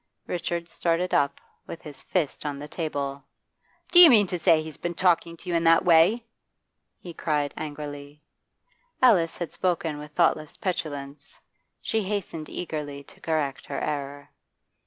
Richard started up, with his fist on the table. 'Do you mean to say he's been talking to you in that way?' he cried angrily. Alice had spoken with thoughtless petulance. She hastened eagerly to correct her error.